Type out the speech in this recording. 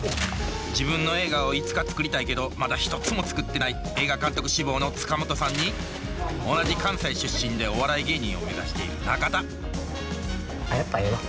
自分の映画をいつか作りたいけどまだ一つも作ってない映画監督志望の塚本さんに同じ関西出身でお笑い芸人を目指している中田あっやっぱええわ。